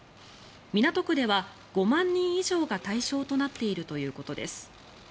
港区では５万人以上が対象となっているということです。